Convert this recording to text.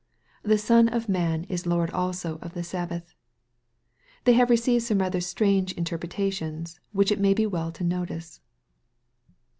The Son of man is Lord also of the Sabbath." They have received some rather strange interpretations, which it may be well to notice.